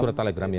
surat telegram ya